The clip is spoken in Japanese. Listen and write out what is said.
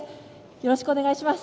よろしくお願いします。